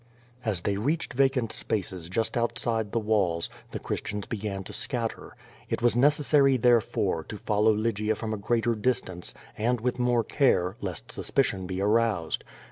As they reached vacant spaces just outside the walls, the Christians began to scatter. It was necessary, therefore, to follow Lygia from a greater distance, and with more care, lest suspicion be aroused.